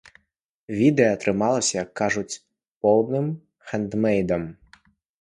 Відэа атрымалася, як кажуць, поўным хэндмэйдам.